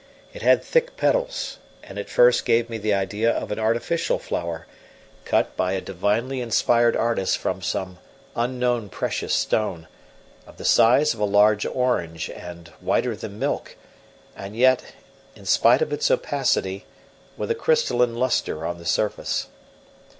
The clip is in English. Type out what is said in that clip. It had thick petals, and at first gave me the idea of an artificial flower, cut by a divinely inspired artist from some unknown precious stone, of the size of a large orange and whiter than milk, and yet, in spite of its opacity, with a crystalline lustre on the surface.